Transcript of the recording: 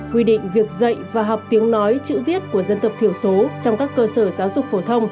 quy định việc dạy và học tiếng nói chữ viết của dân tộc thiểu số trong các cơ sở giáo dục phổ thông